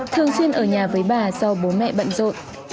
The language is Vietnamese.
thường xuyên ở nhà với bà do bố mẹ bận rộn